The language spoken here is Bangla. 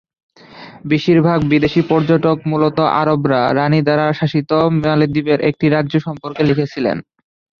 বেশিরভাগ বিদেশী পর্যটক, মূলত আরবরা, রাণী দ্বারা শাসিত মালদ্বীপের একটি রাজ্য সম্পর্কে লিখেছিলেন।